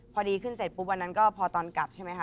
พอดีขึ้นเสร็จปุ๊บวันนั้นก็พอตอนกลับใช่ไหมคะ